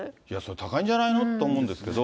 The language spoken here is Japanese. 高いんじゃないのと思うんですが。